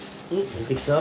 出てきた？